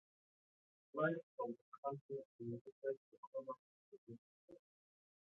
The light from the candle illuminated the corner of the room.